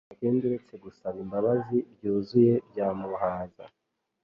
Nta kindi uretse gusaba imbabazi byuzuye byamuhaza.